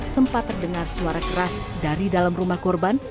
sempat terdengar suara keras dari dalam rumah korban